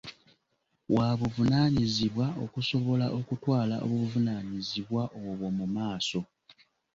Wa buvunaanyizibwa okusobola okutwala obuvunaanyizibwa obwo mu maaso.